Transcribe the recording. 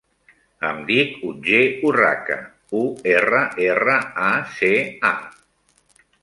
Em dic Otger Urraca: u, erra, erra, a, ce, a.